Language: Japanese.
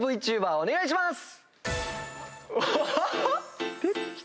お願いします！